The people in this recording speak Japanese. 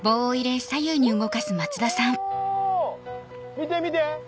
見て見て！